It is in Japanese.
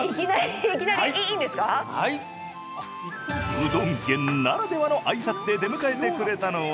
うどん県ならではの挨拶で出迎えてくれたのは、